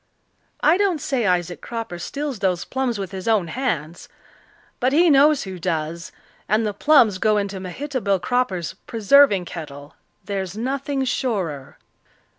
I don't say Isaac Cropper steals those plums with his own hands. But he knows who does and the plums go into Mehitable Cropper's preserving kettle; there's nothing surer."